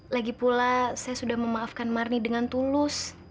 lagipula saya sudah memaafkan marni dengan tulus